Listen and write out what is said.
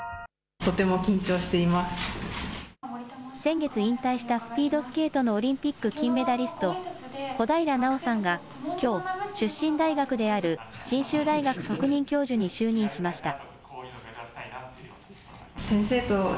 先月引退したスピードスケートのオリンピック金メダリスト小平奈緒さんがきょう、出身大学である信州大学特任教授に就任しました。